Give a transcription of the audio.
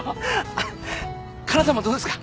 あっかなさんもどうですか？